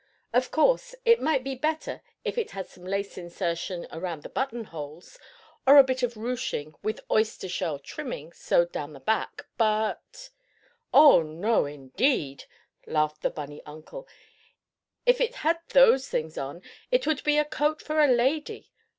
Of course, it might be better if it had some lace insertion around the button holes, or a bit of ruching, with oyster shell trimming sewed down the back, but " "Oh, no, indeed!" laughed the bunny uncle. "If it had those things on it would be a coat for a lady.